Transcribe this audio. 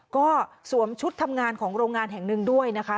ก็สวมชุดทำงานของโรงงานแห่งหนึ่งด้วยนะคะ